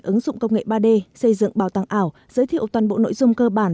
ứng dụng công nghệ ba d xây dựng bảo tàng ảo giới thiệu toàn bộ nội dung cơ bản